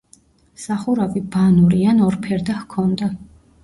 სახურავი ბანური ან ორფერდა ჰქონდა.